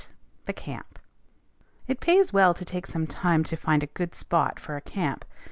THE CAMP. It pays well to take some time to find a good spot for a camp.